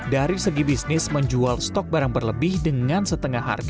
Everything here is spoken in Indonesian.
dari segi bisnis menjual stok barang berlebih dengan setengah harga